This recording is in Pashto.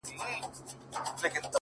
• فقير نه يمه سوالگر دي اموخته کړم؛